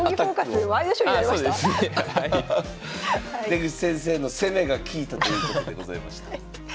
出口先生の攻めが利いたということでございました。